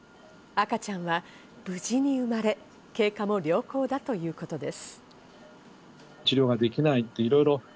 赤ちゃんは無事に産まれ、経過も良好だということです。